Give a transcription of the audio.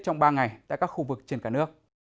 trong ba ngày tại các khu vực trên cả nước